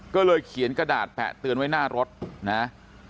ก็เลยเขียนกระดาษแปะเตือนไว้หน้ารถนะ